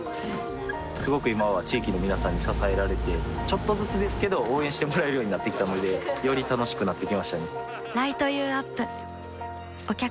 すごく今は地域の皆さんに支えられてちょっとずつですけど応援してもらえるようになってきたのでより楽しくなってきましたね